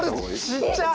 ちっちゃい！